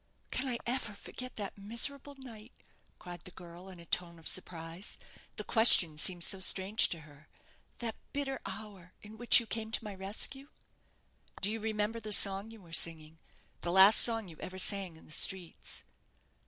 "Can I ever forget that miserable night?" cried the girl, in a tone of surprise the question seemed so strange to her "that bitter hour, in which you came to my rescue?" "Do you remember the song you were singing the last song you ever sang in the streets?"